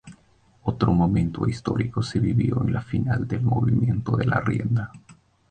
Otro momento histórico se vivió en la final del movimiento de la rienda.